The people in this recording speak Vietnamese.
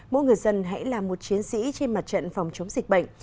mỗi người dân hãy là một chiến sĩ trên mặt trận phòng chống dịch bệnh